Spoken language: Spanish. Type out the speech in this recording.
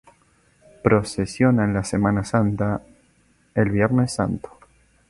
Procesiona en la Semana Santa el Viernes Santo.